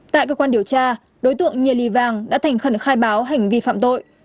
tại cơ quan điều tra đối tượng nghìa lì vàng đã thành khẩn khai báo hành vi phạm tội